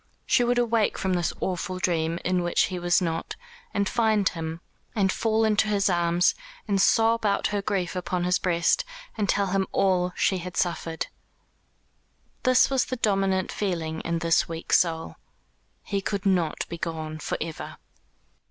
She would awake from this awful dream, in which he was not, and find him, and fall into his arms, and sob out her grief upon his breast, and tell him all she had suffered. That was the dominant feeling in this weak soul. He could not be gone for ever.